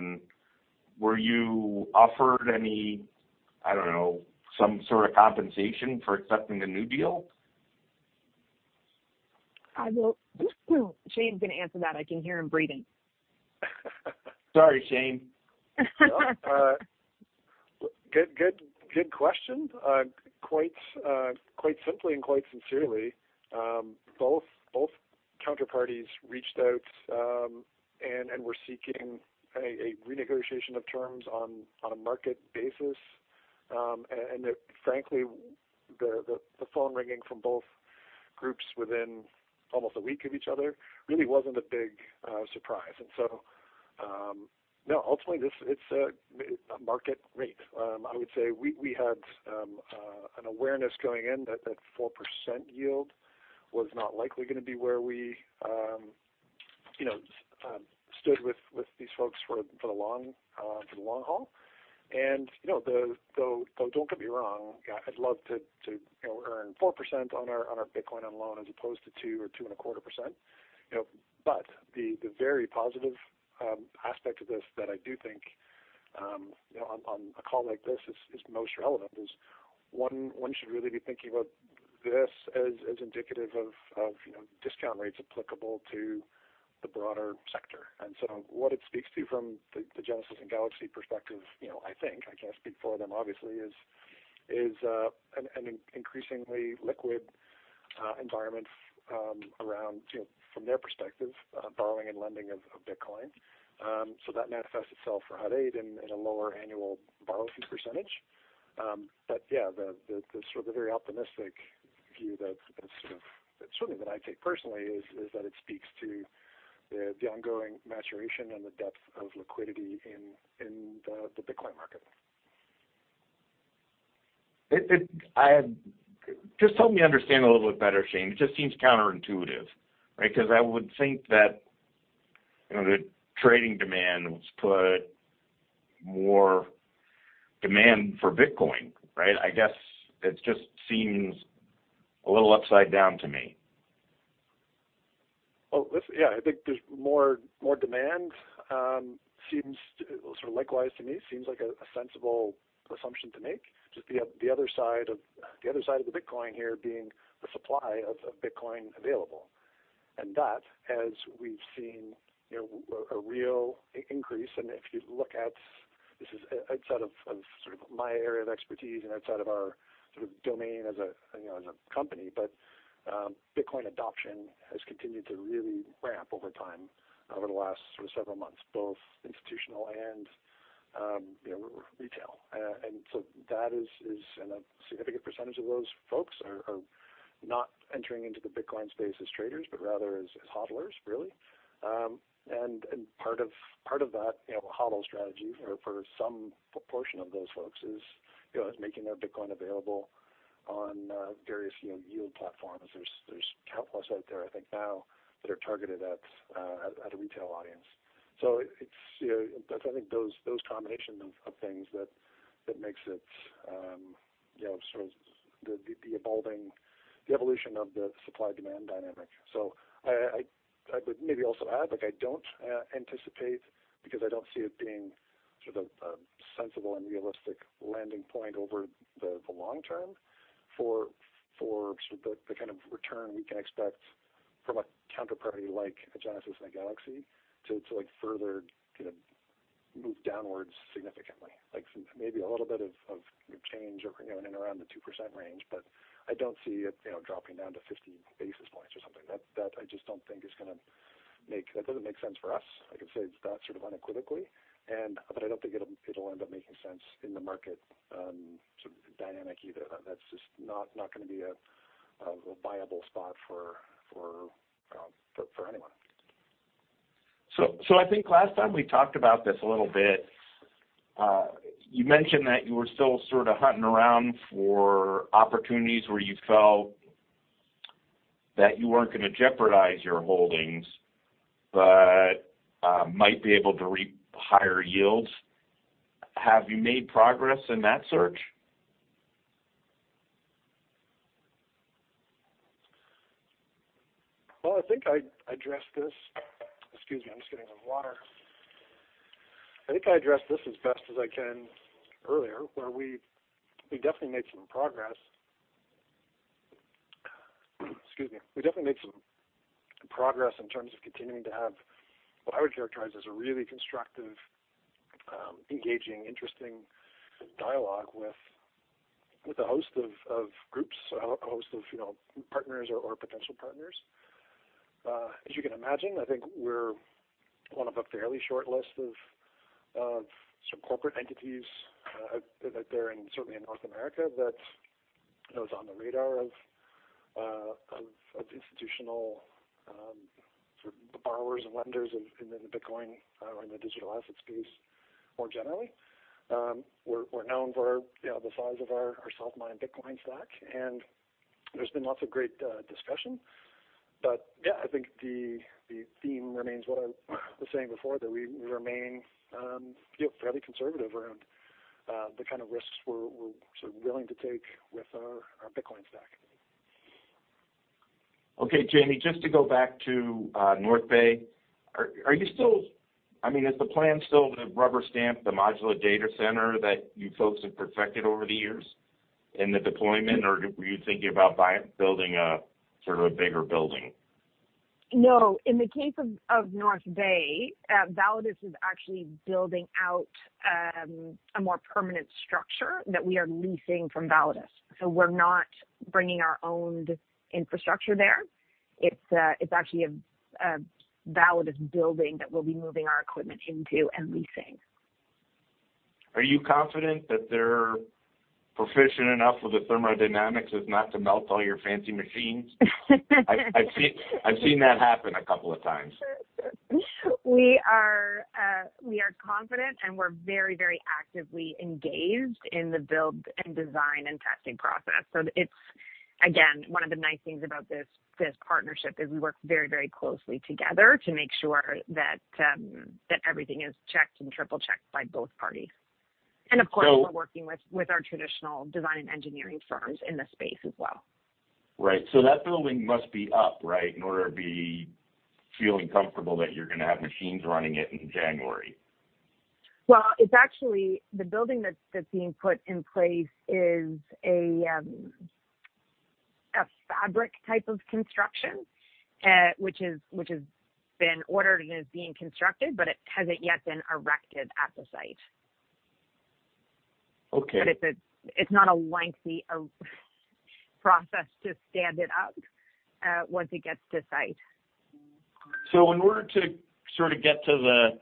Were you offered any, I don't know, some sort of compensation for accepting the new deal? Shane's gonna answer that. I can hear him breathing. Sorry, Shane. Good question. Quite simply and quite sincerely, both counterparties reached out and were seeking a renegotiation of terms on a market basis. And frankly, the phone ringing from both groups within almost a week of each other really wasn't a big surprise. No, ultimately, this is a market rate. I would say we had an awareness going in that 4% yield was not likely gonna be where we, you know, stood with these folks for the long haul. You know, though don't get me wrong, I'd love to, you know, earn 4% on our Bitcoin on loan as opposed to 2% or 2.25%, you know. But the very positive aspect of this that I do think, you know, on a call like this is most relevant is one should really be thinking about this as indicative of, you know, discount rates applicable to the broader sector. What it speaks to from the Genesis and Galaxy perspective, you know, I think, I can't speak for them obviously, is an increasingly liquid environment around, you know, from their perspective, borrowing and lending of Bitcoin. So that manifests itself for Hut 8 in a lower annual borrow fee percentage. Yeah, the sort of very optimistic view that's been sort of certainly that I take personally is that it speaks to the ongoing maturation and the depth of liquidity in the Bitcoin market. Just help me understand a little bit better, Shane. It just seems counterintuitive, right? Because I would think that, you know, the trading demand has put more demand for Bitcoin, right? I guess it just seems a little upside down to me. Yeah, I think there's more demand. Sort of likewise to me, seems like a sensible assumption to make. Just the other side of the Bitcoin here being the supply of Bitcoin available. That, as we've seen, you know, a real increase, and if you look at this is outside of sort of my area of expertise and outside of our sort of domain as a, you know, as a company. But Bitcoin adoption has continued to really ramp over time over the last sort of several months, both institutional and, you know, retail. That is and a significant percentage of those folks are not entering into the Bitcoin space as traders, but rather as HODLers really. Part of that, you know, HODL strategy or for some portion of those folks is, you know, making their Bitcoin available on various, you know, yield platforms. There's countless out there I think now that are targeted at a retail audience. It's, you know. That's, I think, those combination of things that makes it, you know, sort of the evolving, the evolution of the supply-demand dynamic. I would maybe also add, like I don't anticipate because I don't see it being sort of sensible and realistic landing point over the long term for sort of the kind of return we can expect from a counterparty like a Genesis and a Galaxy to like further kind of move downwards significantly. Maybe a little bit of change or, you know, in and around the 2% range. I don't see it, you know, dropping down to 50 basis points or something. That I just don't think is gonna make. That doesn't make sense for us. I can say that sort of unequivocally. I don't think it'll end up making sense in the market, sort of dynamic either. That's just not gonna be a viable spot for anyone. I think last time we talked about this a little bit. You mentioned that you were still sort of hunting around for opportunities where you felt that you weren't gonna jeopardize your holdings, but might be able to reap higher yields. Have you made progress in that search? Well, I think I addressed this. Excuse me, I'm just getting a water. I think I addressed this as best as I can earlier, where we definitely made some progress. Excuse me. We definitely made some progress in terms of continuing to have what I would characterize as a really constructive, engaging, interesting dialogue with a host of groups, a host of, you know, partners or potential partners. As you can imagine, I think we're one of a fairly short list of some corporate entities out there in certainly in North America that, you know, is on the radar of institutional sort of the borrowers and lenders in the Bitcoin or in the digital asset space more generally. We're known for, you know, the size of our self-mined Bitcoin stack, and there's been lots of great discussion. Yeah, I think the theme remains what I was saying before, that we remain, you know, fairly conservative around the kind of risks we're sort of willing to take with our Bitcoin stack. Okay. Jaime, just to go back to North Bay. I mean, is the plan still to rubber stamp the modular data center that you folks have perfected over the years in the deployment, or were you thinking about building a sort of a bigger building? No. In the case of North Bay, Validus is actually building out a more permanent structure that we are leasing from Validus. So we're not bringing our own infrastructure there. It's actually a Validus building that we'll be moving our equipment into and leasing. Are you confident that they're proficient enough with the thermodynamics as not to melt all your fancy machines? I've seen that happen a couple of times. We are confident, and we're very actively engaged in the build and design and testing process. It's again one of the nice things about this partnership is we work very closely together to make sure that everything is checked and triple-checked by both parties. Of course we're working with our traditional design and engineering firms in this space as well. Right. That building must be up, right, in order to be feeling comfortable that you're gonna have machines running it in January. Well, it's actually the building that's being put in place is a fabric type of construction, which has been ordered and is being constructed, but it hasn't yet been erected at the site. Okay. It's not a lengthy process to stand it up once it gets to site. In order to sort of get to the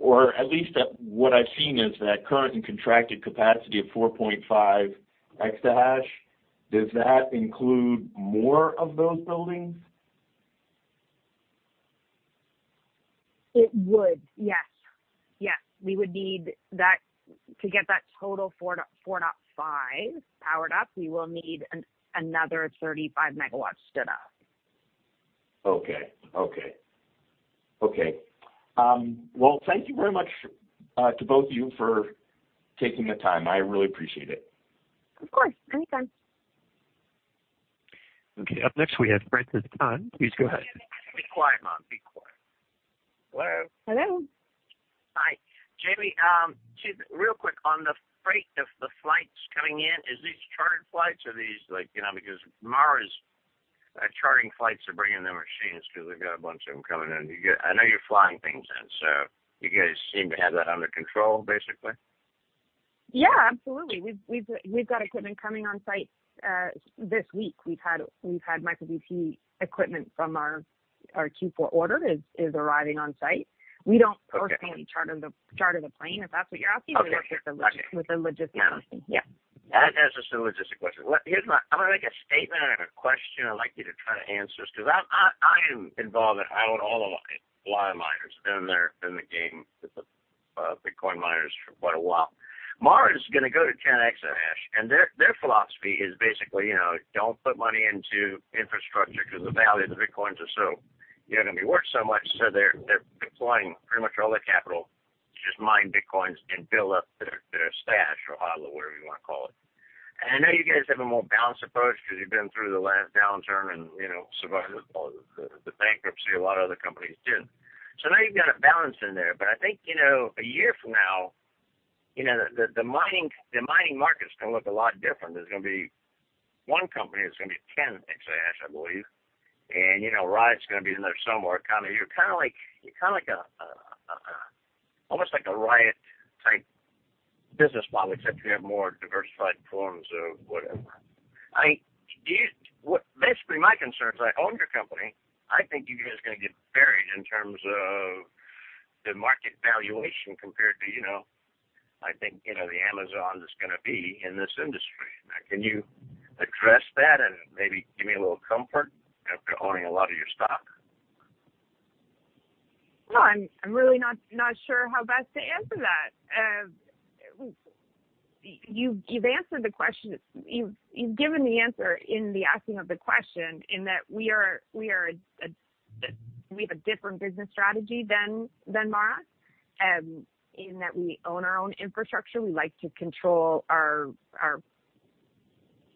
or at least at what I've seen is that current and contracted capacity of 4.5 exahash, does that include more of those buildings? It would, yes. We would need that. To get that total 4.45 powered up, we will need another 35 MW stood up. Okay. Well, thank you very much to both of you for taking the time. I really appreciate it. Of course. Anytime. Okay, up next we have Francis Dunn. Please go ahead. Be quiet, mom. Hello? Hello. Hi. Jaime, just real quick on the freight of the flights coming in, is these chartered flights or these like, you know, because Marathon chartering flights are bringing their machines because they've got a bunch of them coming in. I know you're flying things in, so you guys seem to have that under control, basically. Yeah, absolutely. We've got equipment coming on site this week. We've had MicroBT equipment from our Q4 order is arriving on site. We don't— Okay. personally charter the plane, if that's what you're asking. Okay. Got it. We work with the logistics. Yeah. That answers the logistics question. Here's my—I'm gonna make a statement and a question I'd like you to try to answer, because I am involved and I own all the latest miners been there in the game with the Bitcoin miners for quite a while. Marathon is gonna go to 10 exahash, and their philosophy is basically, you know, don't put money into infrastructure because the value of the Bitcoins are so, you know, gonna be worth so much. They're deploying pretty much all their capital to just mine Bitcoins and build up their stash or HODL, whatever you wanna call it. I know you guys have a more balanced approach because you've been through the last downturn and, you know, survived with all the bankruptcy. A lot of other companies didn't. Now you've got a balance in there. I think, you know, a year from now, you know, the mining market's gonna look a lot different. There's gonna be one company that's gonna be 10 exahash, I believe. You know, Riot's gonna be in there somewhere, kind of. You're kind of like almost like a Riot type business model, except you have more diversified forms of whatever. Basically, my concern is I own your company. I think you guys are gonna get buried in terms of the market valuation compared to, you know, I think, you know, Amazon's gonna be in this industry. Now, can you address that and maybe give me a little comfort after owning a lot of your stock? Well, I'm really not sure how best to answer that. You've answered the question. You've given the answer in the asking of the question in that we are a—we have a different business strategy than Marathon in that we own our own infrastructure. We like to control our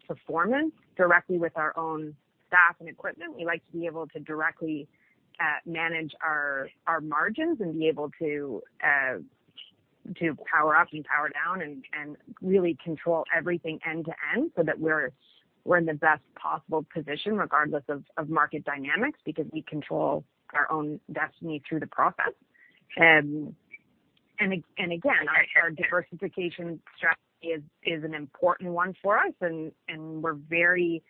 performance directly with our own staff and equipment. We like to be able to directly manage our margins and be able to power up and power down and really control everything end to end so that we're in the best possible position regardless of market dynamics, because we control our own destiny through the process. Again, our diversification strategy is an important one for us. We're very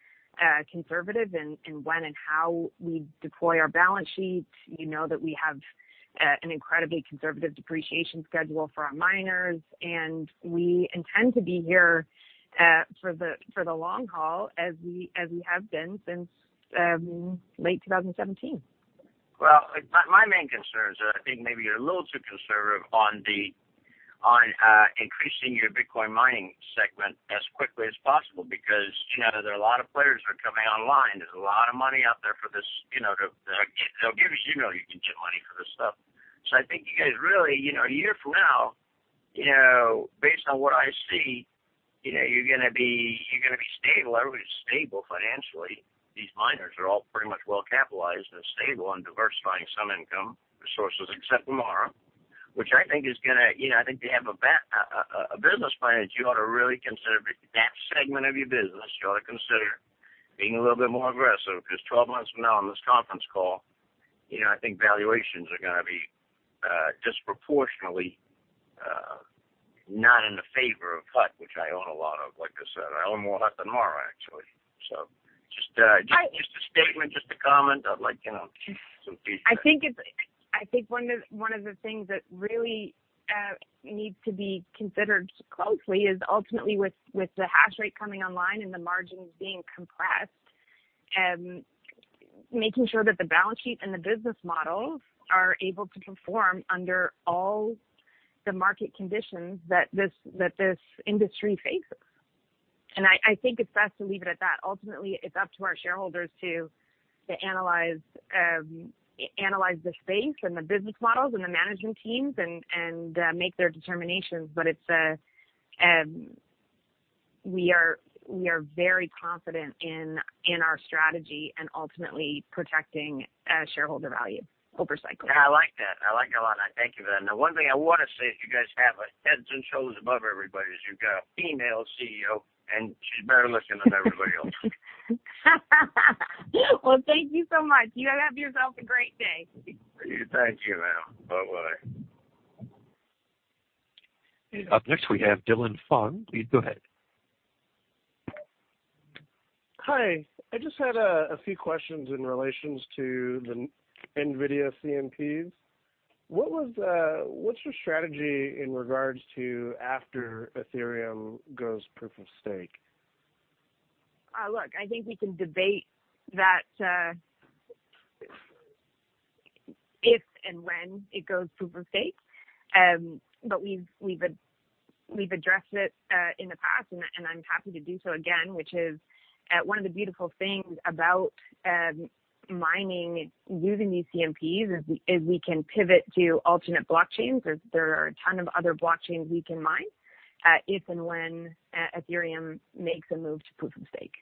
conservative in when and how we deploy our balance sheets. You know that we have an incredibly conservative depreciation schedule for our miners, and we intend to be here for the long haul as we have been since late 2017. Well, my main concerns are I think maybe you're a little too conservative on increasing your Bitcoin mining segment as quickly as possible because, you know, there are a lot of players are coming online. There's a lot of money out there for this, you know. You know, you can get money for this stuff. I think you guys really, you know, a year from now, you know, based on what I see, you know, you're gonna be stable. Everybody's stable financially. These miners are all pretty much well capitalized and stable and diversifying some income resources except Marathon, which I think is gonna. You know, I think they have a business plan that you ought to really consider. That segment of your business you ought to consider being a little bit more aggressive, because 12 months from now in this conference call, you know, I think valuations are gonna be disproportionately not in the favor of Hut, which I own a lot of. Like I said, I own more Hut than Mara, actually. Just a statement, just a comment. I'd like, you know, some feedback. I think one of the things that really needs to be considered closely is ultimately with the hash rate coming online and the margins being compressed, making sure that the balance sheet and the business models are able to perform under all the market conditions that this industry faces. I think it's best to leave it at that. Ultimately, it's up to our shareholders to analyze the space and the business models and the management teams and make their determinations. But it's—we are very confident in our strategy and ultimately protecting shareholder value over cycle. I like that. I like it a lot. Thank you for that. Now, one thing I wanna say is you guys have a head and shoulders above everybody is you've got a female CEO, and she's better looking than everybody else. Well, thank you so much. You guys have yourself a great day. Thank you, ma'am. Bye-bye. Up next, we have Dylan Fung. Please go ahead. Hi. I just had a few questions in relation to the NVIDIA CMPs. What's your strategy in regard to after Ethereum goes proof of stake? Look, I think we can debate that if and when it goes proof of stake. We've addressed it in the past, and I'm happy to do so again, which is one of the beautiful things about mining using these CMPs is we can pivot to alternate blockchains. There are a ton of other blockchains we can mine if and when Ethereum makes a move to proof of stake.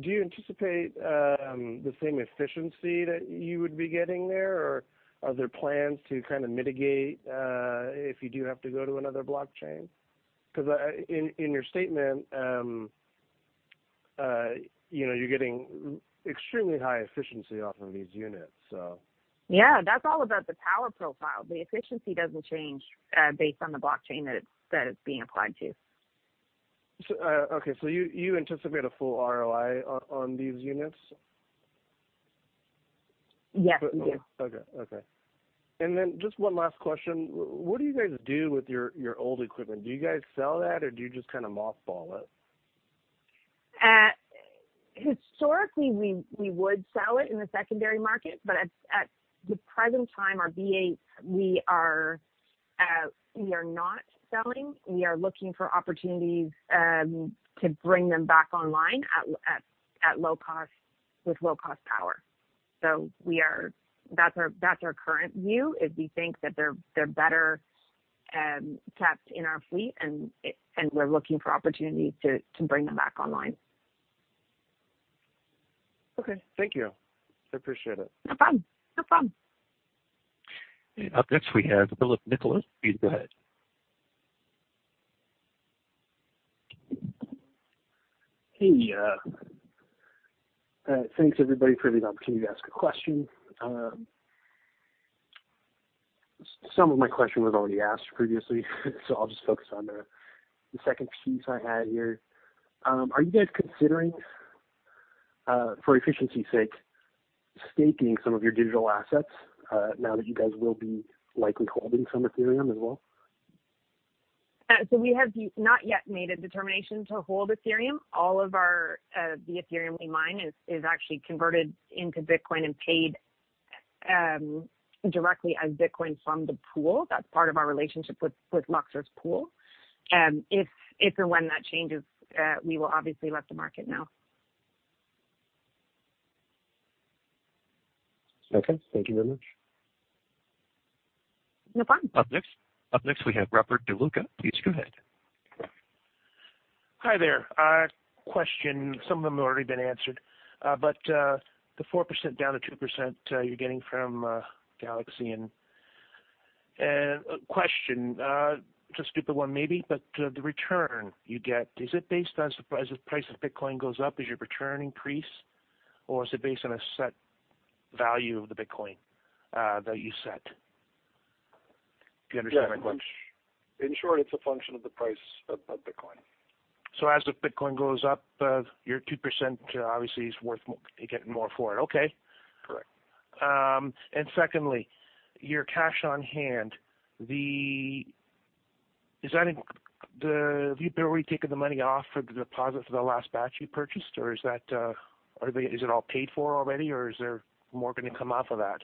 Do you anticipate the same efficiency that you would be getting there, or are there plans to kind of mitigate if you do have to go to another blockchain? Because in your statement you know you're getting extremely high efficiency off of these units, so. Yeah. That's all about the power profile. The efficiency doesn't change, based on the blockchain that it's being applied to. Okay. You anticipate a full ROI on these units? Yes. We do. Okay. Just one last question. What do you guys do with your old equipment? Do you guys sell that, or do you just kind of mothball it? Historically, we would sell it in the secondary market, but at the present time, our B8, we are not selling. We are looking for opportunities to bring them back online at low cost with low cost power. That's our current view, is we think that they're better kept in our fleet, and we're looking for opportunities to bring them back online. Okay. Thank you. I appreciate it. No problem. No problem. Up next, we have Philip Nicholas. Please go ahead. Hey. Thanks everybody for the opportunity to ask a question. Some of my question was already asked previously, so I'll just focus on the second piece I had here. Are you guys considering, for efficiency's sake, staking some of your digital assets, now that you guys will be likely holding some Ethereum as well? We have not yet made a determination to hold Ethereum. All of our the Ethereum we mine is actually converted into Bitcoin and paid directly as Bitcoin from the pool. That's part of our relationship with Luxor's pool. If and when that changes, we will obviously let the market know. Okay. Thank you very much. No problem. Up next, we have Rupert DeLuca. Please go ahead. Hi there. Question, some of them have already been answered. The 4% down to 2% you're getting from Galaxy. Question, it's a stupid one maybe, but the return you get, is it based on as the price of Bitcoin goes up, does your return increase, or is it based on a set value of the Bitcoin that you set? Do you understand my question? Yes. In short, it's a function of the price of Bitcoin. As the Bitcoin goes up, your 2%, obviously, is worth more, you're getting more for it. Okay. Correct. Secondly, your cash on hand, have you already taken the money off for the deposit for the last batch you purchased, or is it all paid for already, or is there more gonna come off of that,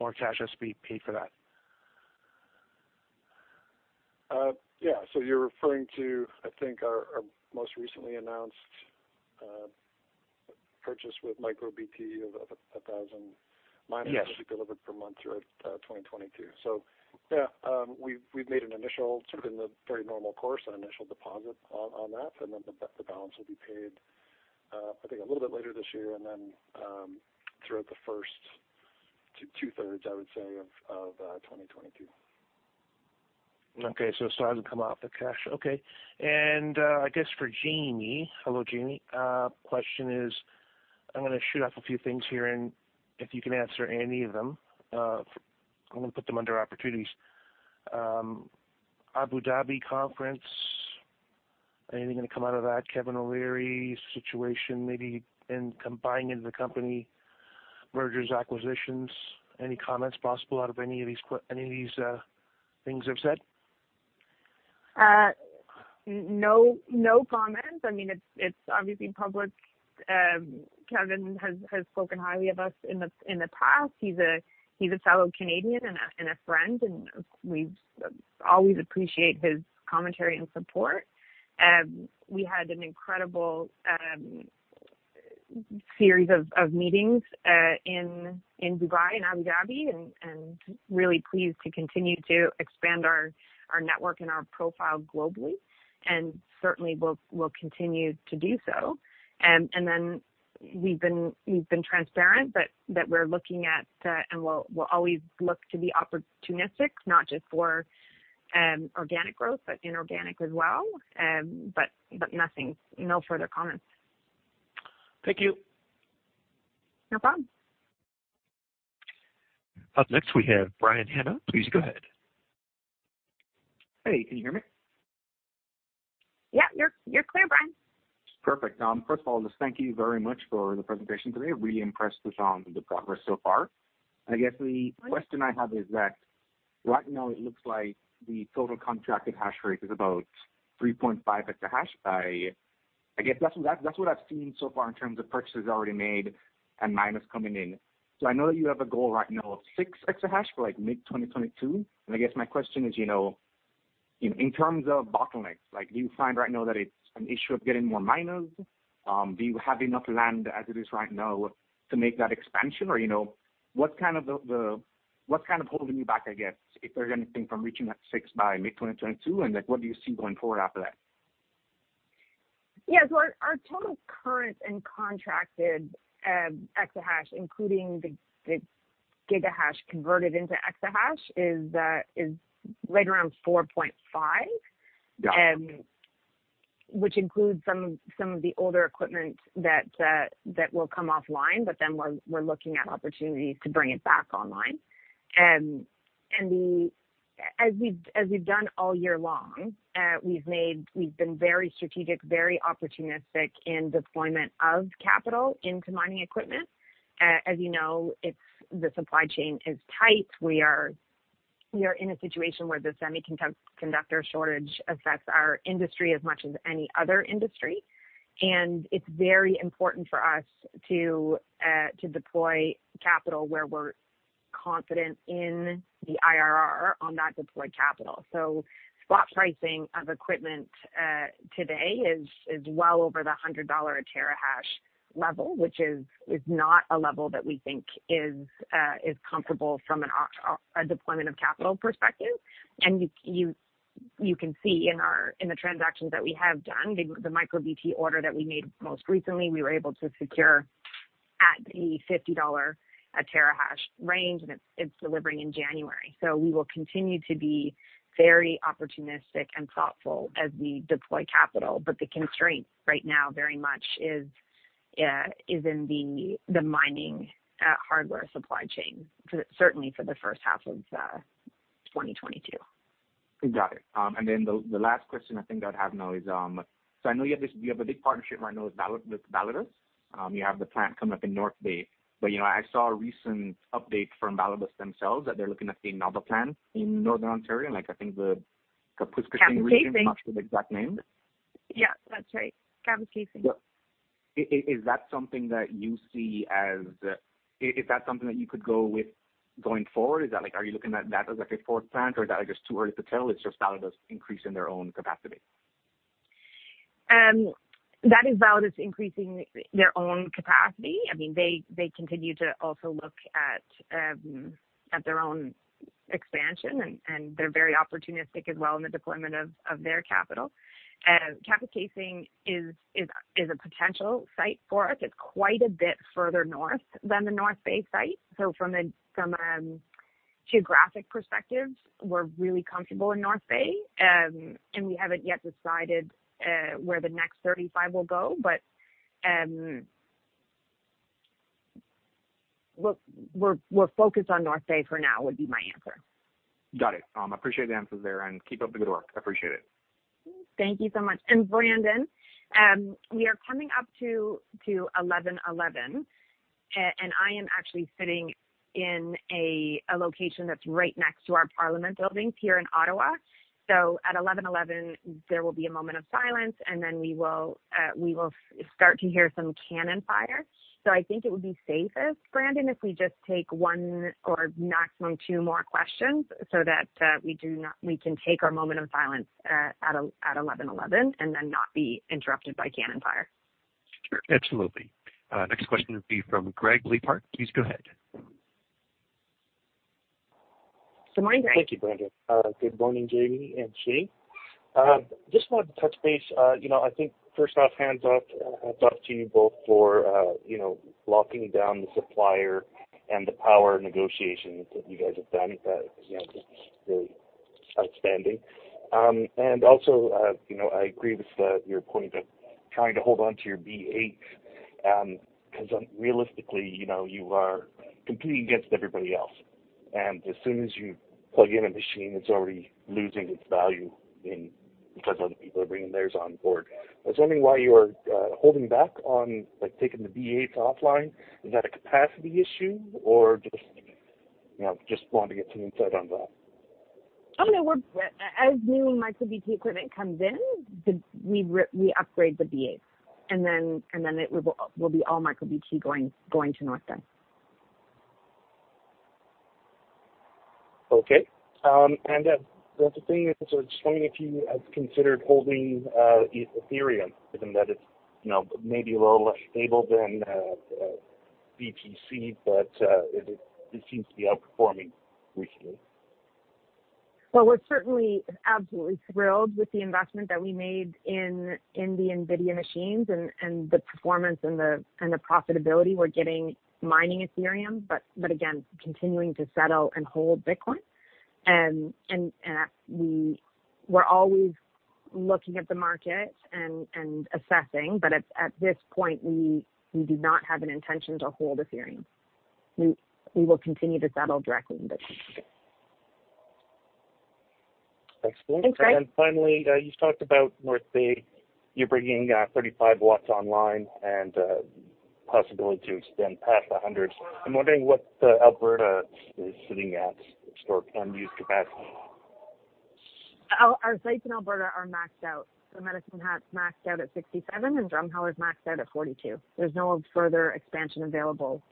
more cash has to be paid for that? You're referring to, I think, our most recently announced purchase with MicroBT of 1,000 miners. Yes. To be delivered per month throughout 2022. We've made an initial, sort of in the very normal course, an initial deposit on that, and then the balance will be paid, I think a little bit later this year and then throughout the first 2/3, I would say, of 2022. It still hasn't come out, the cash. Okay. I guess for Jaime. Hello, Jaime. Question is, I'm gonna shoot off a few things here and if you can answer any of them, I'm gonna put them under opportunities. Abu Dhabi conference, anything gonna come out of that? Kevin O'Leary situation maybe and combining the company, mergers, acquisitions, any comments possible out of any of these things I've said? No comment. I mean, it's obviously public. Kevin has spoken highly of us in the past. He's a fellow Canadian and a friend, and we always appreciate his commentary and support. We had an incredible series of meetings in Dubai and Abu Dhabi, and really pleased to continue to expand our network and our profile globally. Certainly, we'll continue to do so. We've been transparent that we're looking at, and we'll always look to be opportunistic not just for organic growth, but inorganic as well. But nothing. No further comments. Thank you. No problem. Up next, we have Brian Hannah. Please go ahead. Hey, can you hear me? Yeah. You're clear, Brian. Perfect. First of all, just thank you very much for the presentation today. Really impressed with the progress so far. I guess the question I have is that right now it looks like the total contracted hash rate is about 3.5 exahash. I guess that's what I've seen so far in terms of purchases already made and miners coming in. I know that you have a goal right now of 6 exahash for like mid-2022. I guess my question is, you know, in terms of bottlenecks, like do you find right now that it's an issue of getting more miners? Do you have enough land as it is right now to make that expansion? You know, what's kind of holding you back, I guess, if there's anything from reaching that six by mid-2022, and like what do you see going forward after that? Yeah. Our total current and contracted exahash, including the gigahash converted into exahash, is right around 4.5— Yeah. which includes some of the older equipment that will come offline, but then we're looking at opportunities to bring it back online. As we've done all year long, we've been very strategic, very opportunistic in deployment of capital into mining equipment. As you know, the supply chain is tight. We are in a situation where the semiconductor shortage affects our industry as much as any other industry and it's very important for us to deploy capital where we're confident in the IRR on that deployed capital. Spot pricing of equipment today is well over the $100 a terahash level, which is not a level that we think is comfortable from a deployment of capital perspective. You can see in our transactions that we have done, the MicroBT order that we made most recently, we were able to secure at the $50 a terahash range, and it's delivering in January. We will continue to be very opportunistic and thoughtful as we deploy capital. The constraint right now very much is in the mining hardware supply chain for certainly for the first half of 2022. Got it. Then the last question I think I'd have now is, I know you have a big partnership right now with Validus. You have the plant coming up in North Bay. You know, I saw a recent update from Validus themselves that they're looking at another plant in Northern Ontario, like, I think the Kapuskasing region. Kapuskasing I'm not sure the exact name. Yeah, that's right. Kapuskasing. Is that something that you see as? Is that something that you could go with going forward? Is that like, are you looking at that as like a fourth plant, or is that like just too early to tell? It's just Validus increasing their own capacity. That is Validus increasing their own capacity. I mean, they continue to also look at their own expansion, and they're very opportunistic as well in the deployment of their capital. Kapuskasing is a potential site for us. It's quite a bit further north than the North Bay site. From a geographic perspective, we're really comfortable in North Bay. We haven't yet decided where the next 35 will go. We're focused on North Bay for now, would be my answer. Got it. Appreciate the answers there, and keep up the good work. Appreciate it. Thank you so much. Brandon, we are coming up to 11:11, and I am actually sitting in a location that's right next to our Parliament buildings here in Ottawa. At 11:11 there will be a moment of silence, and then we will start to hear some cannon fire. I think it would be safest, Brandon, if we just take one or maximum two more questions so that we can take our moment of silence at 11:11 and then not be interrupted by cannon fire. Sure. Absolutely. Next question will be from Greg Lipar. Please go ahead. Good morning, Greg. Thank you, Brandon. Good morning, Jaime and Shane. Just wanted to touch base. You know, I think first off, hats off to you both for, you know, locking down the supplier and the power negotiations that you guys have done, you know, just really outstanding. And also, you know, I agree with your point of trying to hold on to your B8s. Because, realistically, you know, you are competing against everybody else, and as soon as you plug in a machine, it's already losing its value in because other people are bringing theirs on board. I was wondering why you're holding back on, like, taking the B8s offline. Is that a capacity issue or just, you know, I just want to get some insight on that? As new MicroBT equipment comes in, we upgrade the BH. It will be all MicroBT going to North Bay. Okay. The other thing is, I was just wondering if you have considered holding Ethereum, given that it's, you know, maybe a little less stable than BTC, but it seems to be outperforming recently. Well, we're certainly absolutely thrilled with the investment that we made in the NVIDIA machines and the profitability we're getting mining Ethereum. Again, continuing to settle and hold Bitcoin, we're always looking at the market and assessing, but at this point, we do not have an intention to hold Ethereum. We will continue to settle directly in Bitcoin. Excellent. Okay. You've talked about North Bay. You're bringing 35 W online and possibility to extend past 100. I'm wondering what Alberta is sitting at for unused capacity. Our sites in Alberta are maxed out. Medicine Hat is maxed out at 67 and Drumheller is maxed out at 42. There's no further expansion available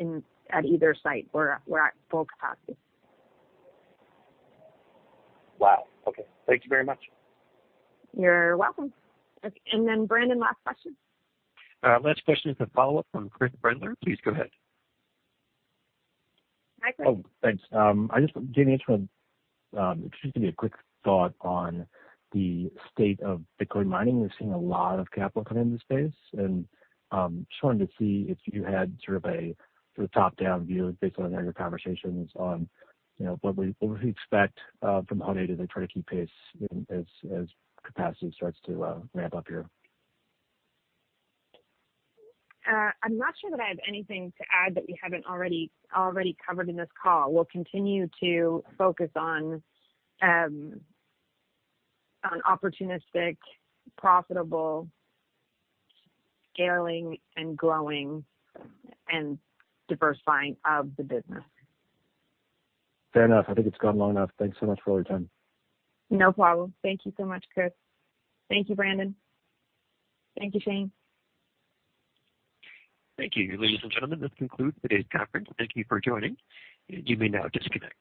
at either site. We're at full capacity. Wow. Okay. Thank you very much. You're welcome. Brandon, last question. Last question is a follow-up from Chris Brendler. Please go ahead. Hi, Chris. Oh, thanks. Jaime, I just wanted if you could just give me a quick thought on the state of Bitcoin mining. We're seeing a lot of capital come in the space, and just wanted to see if you had sort of a top-down view based on any of your conversations on, you know, what we could expect from Hut 8 as they try to keep pace as capacity starts to ramp up here. I'm not sure that I have anything to add that we haven't already covered in this call. We'll continue to focus on opportunistic, profitable scaling and growing and diversifying of the business. Fair enough. I think it's gone long enough. Thanks so much for all your time. No problem. Thank you so much, Chris. Thank you, Brandon. Thank you, Shane. Thank you. Ladies and gentlemen, this concludes today's conference. Thank you for joining. You may now disconnect.